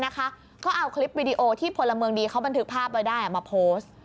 ก็เอาคลิปวิดีโอที่พลเมืองดีเขาบันทึกภาพไว้ได้มาโพสต์